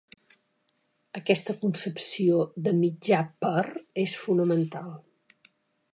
Aquesta concepció de “mitjà per” és fonamental.